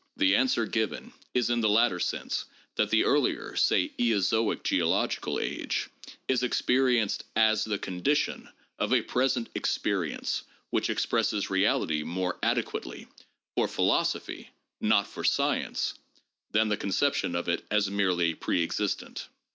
The answer given is in the latter sense that the earlier (say Eozoic geological age) is experienced as the condition of a present experience which expresses reality more adequately (for philosophy, not for science) than the conception of it as merely pre existent.